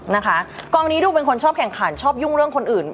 นะคะกองนี้ดูเป็นคนชอบแข่งขันชอบยุ่งเรื่องคนอื่น